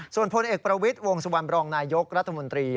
ส่วนพลเอกประวิทย์วงสุวรรณบรองนายยกรัฐมนตรี